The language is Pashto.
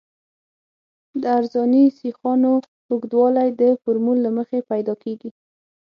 د عرضاني سیخانو اوږدوالی د فورمول له مخې پیدا کیږي